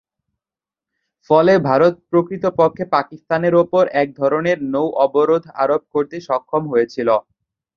ফলে ভারত প্রকৃতপক্ষে পাকিস্তানের ওপর এক ধরনের নৌ অবরোধ আরোপ করতে সক্ষম হয়েছিল।